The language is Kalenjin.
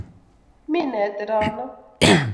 Mi nee tero no?